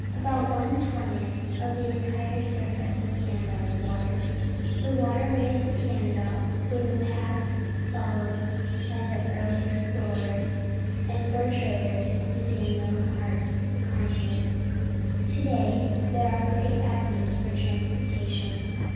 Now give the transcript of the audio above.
About one twentieth of the entire sur face of Canada is water. The waterways of Canada were the paths followed by the early explorers and fur traders into the unknown heart of the continent ; to day they are ^^^ Quebec great avenues for transportation.